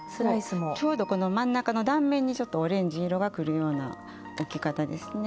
ちょうどこの真ん中の断面にちょっとオレンジ色がくるような置き方ですね。